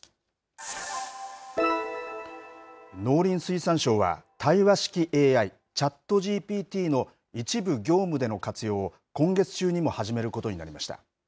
農林水産省は、対話式ＡＩ、ＣｈａｔＧＰＴの一部業務での活用を今月中にも始めることになりました。